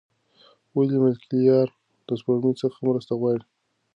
ولې ملکیار له سپوږمۍ څخه مرسته غواړي؟